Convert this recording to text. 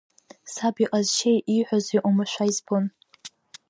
Саб иҟазшьеи ииҳәози оумашәа избон.